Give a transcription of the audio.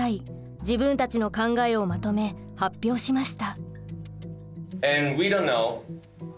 自分たちの考えをまとめ発表しました。